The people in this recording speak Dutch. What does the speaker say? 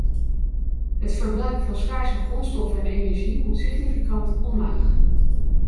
Het verbruik van schaarse grondstoffen en energie moet significant omlaag.